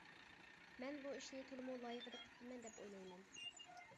مەن بۇ ئىشنى تولىمۇ لايىقىدا قىپتىمەن دەپ ئويلايمەن.